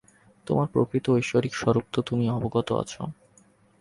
তোমার প্রকৃত ঐশ্বরিক স্বরূপ তো তুমি অবগত আছ।